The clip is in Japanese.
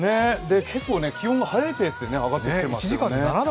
結構、気温が早いペースで上がってきています。